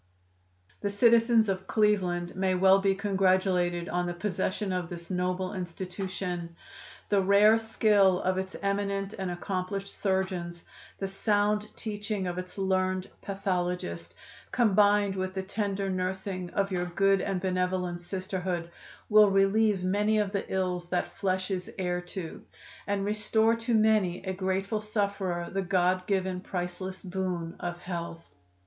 "The citizens of Cleveland may well be congratulated on the possession of this noble Institution. The rare skill of its eminent and accomplished surgeons, the sound teaching of its learned pathologist, combined with the tender nursing of your good and benevolent Sisterhood, will relieve many of the ills that flesh is heir to, and restore to many a grateful sufferer the God given priceless boon of health.